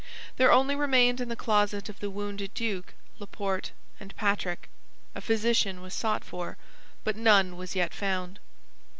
There only remained in the closet of the wounded duke Laporte and Patrick. A physician was sought for, but none was yet found.